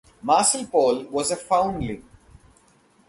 Marcel Paul was a foundling.